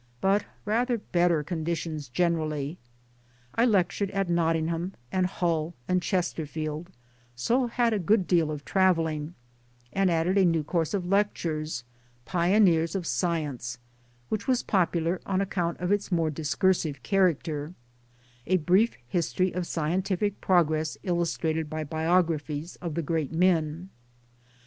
but rather better conditions generally. I lectured at Notting ham and Hull and Chesterfield, so had a good deal of traveling, and added a new course of lectures " Pioneers of Science " which was popular on account of its more discursive character : a brief history of scientific progress illustrated by biographies of the great men.